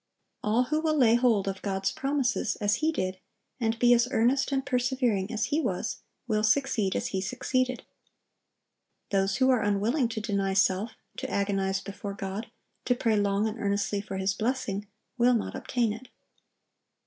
All who will lay hold of God's promises, as he did, and be as earnest and persevering as he was, will succeed as he succeeded. Those who are unwilling to deny self, to agonize before God, to pray long and earnestly for His blessing, will not obtain it.